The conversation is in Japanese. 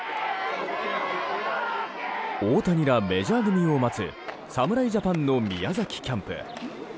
大谷らメジャー組を待つ侍ジャパンの宮崎キャンプ。